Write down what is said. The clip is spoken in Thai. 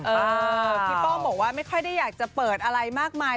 พี่ป้องบอกว่าไม่ค่อยได้อยากจะเปิดอะไรมากมาย